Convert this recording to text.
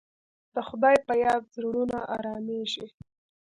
د خدای په یاد زړونه ارامېږي.